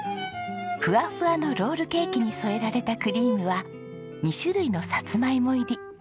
フワフワのロールケーキに添えられたクリームは２種類のサツマイモ入り。